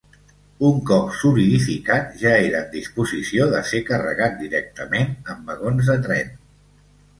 Un cop solidificat ja era en disposició de ser carregat directament en vagons de tren.